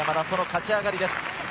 その勝ち上がりです。